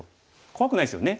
怖くないですよね。